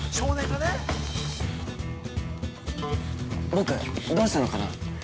僕、どうしたのかな？